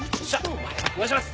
お願いします。